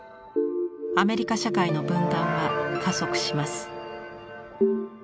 アメリカ社会の分断は加速します。